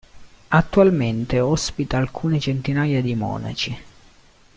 Attualmente ospita alcune centinaia di monaci.